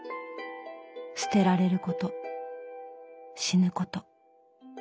捨てられること死ぬこと。